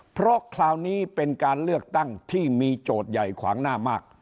เพราะคราวนี้เป็นการเลือกตั้งที่มีโจทย์ใหญ่ขวางหน้ามาก